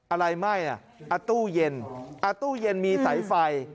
อะไรไหม้อ่ะอ่ะตู้เย็นอ่ะตู้เย็นมีสายไฟ